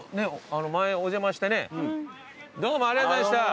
前ありがとうございました。